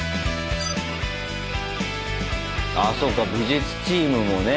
あそっか美術チームもね。